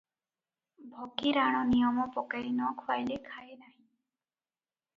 ଭଗି ରାଣ ନିୟମ ପକାଇ ନ ଖୁଆଇଲେ ଖାଏ ନାହିଁ ।